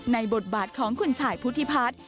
ในบทบาทของขุนฉ่ายพุทธิพัศน์